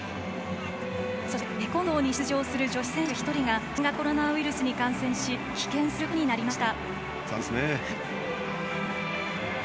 そして、テコンドーに出場する女子選手１人が新型コロナウイルスに感染し棄権することになりました。